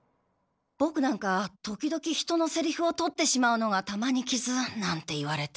ボクなんか時々人のセリフを取ってしまうのが玉にきずなんて言われて。